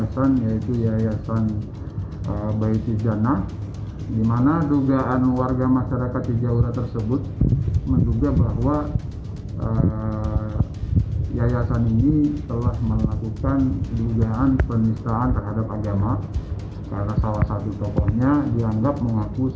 sebagai seorang rasul ke dua puluh enam